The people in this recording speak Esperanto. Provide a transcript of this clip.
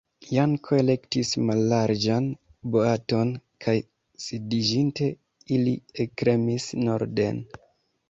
Janko elektis mallarĝan boaton kaj sidiĝinte, ili ekremis norden.